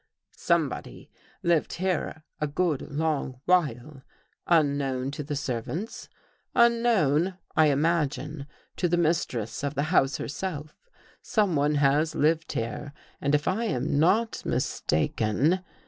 Somebody lived here a good long while — unknown to the servants — unknown, I imagine, to the mistress of 224 THE HOUSEBREAKERS the house herself. Someone has lived here, and, if I am not mistaken